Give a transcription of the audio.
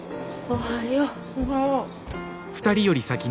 おはよう。